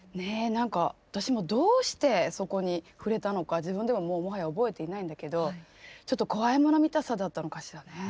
何か私もどうしてそこに触れたのか自分でももはや覚えていないんだけどちょっと怖いもの見たさだったのかしらね。